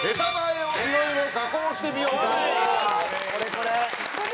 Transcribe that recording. これこれ！